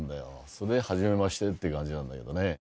それで「はじめまして」って感じなんだけどね。